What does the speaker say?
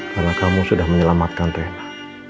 karena kamu sudah menyelamatkan rena